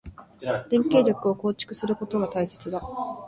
連携力を構築することが大切だ。